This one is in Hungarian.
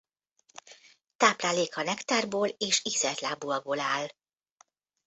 Tápláléka nektárból és ízeltlábúakból áll.